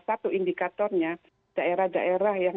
satu indikatornya daerah daerah yang